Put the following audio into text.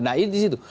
nah itu di situ